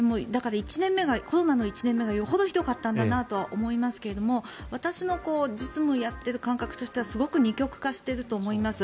だからコロナの１年目がよほどひどかったんだなと思いますが私の実務をやっている感覚としてはすごく二極化してると思います。